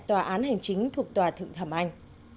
tòa án hành chính thuộc tòa thượng thẩm anh